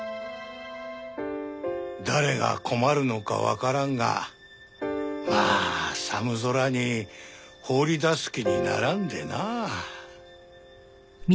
誰が困るのかわからんがまあ寒空に放り出す気にならんでなあ。